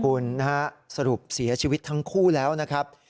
คุณนะฮะสรุปเสียชีวิตทั้งคู่แล้วนะครับ